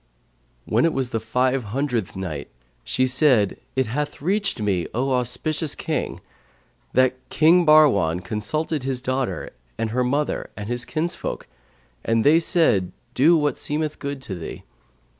When it was the Five Hundredth Night, She said, It hath reached me, O auspicious King, that "King Bahrwan consulted his daughter and her mother and his kinsfolk and they said, 'Do what seemeth good to thee.'